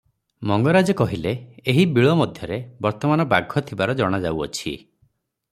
ମଙ୍ଗରାଜେ କହିଲେ "ଏହି ବିଳ ମଧ୍ୟରେ ବର୍ତ୍ତମାନ ବାଘ ଥିବାର ଜଣାଯାଉଅଛି ।"